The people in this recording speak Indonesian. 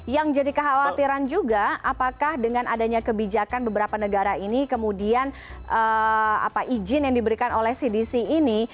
yang jadi kekhawatiran juga apakah dengan adanya kebijakan beberapa negara ini kemudian izin yang diberikan oleh cdc ini